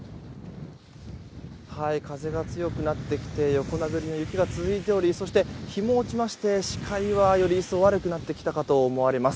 風が強くなってきて横殴りの雪が続いておりそして、日も落ちまして視界はより一層悪くなってきたと思われます。